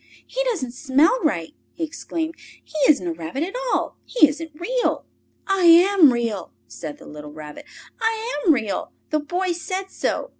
"He doesn't smell right!" he exclaimed. "He isn't a rabbit at all! He isn't real!" "I am Real!" said the little Rabbit. "I am Real! The Boy said so!"